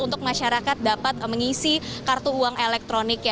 untuk masyarakat dapat mengisi kartu uang elektronik